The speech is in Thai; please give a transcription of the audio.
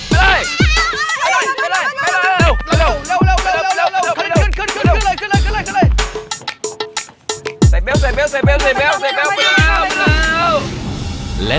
ไปเลย